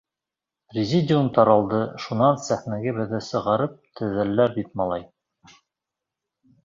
Президиум таралды, шунан сәхнәгә беҙҙе сығарып теҙҙеләр бит, малай.